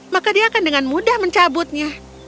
maka dia akan dengan mudah mencabutnya